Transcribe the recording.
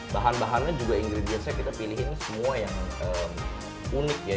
bahan bahannya juga ingredients nya kita pilihin semua yang unik ya